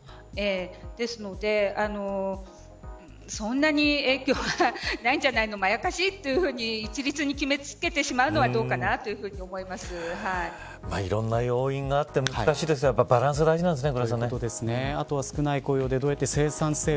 ですので、そんなに影響はないんじゃないのまやかしと一律に決め付けてしまうのはいろんな要因があって難しいですがバランスが大事なんですね。